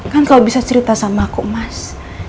kan kalau bisa cerita sama aku mas